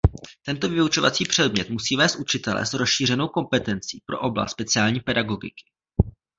Tento vyučovací předmět musí vést učitelé s rozšířenou kompetencí pro oblast speciální pedagogiky.